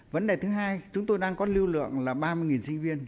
vấn đề thứ hai chúng tôi đang có lưu lượng là ba mươi sinh viên